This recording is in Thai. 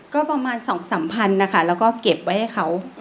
ก็ประมาณ๒๓พันนะคะแล้วก็เก็บไว้ให้เขา